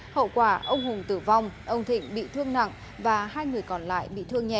hậu quả ông hùng tử vong ông thịnh bị thương nặng và hai người còn lại bị thương nhẹ